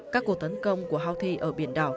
các cuộc tấn công của houthi ở biển đỏ